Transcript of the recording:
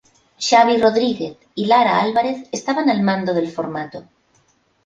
Xavi Rodríguez y Lara Álvarez estaban al mando del formato.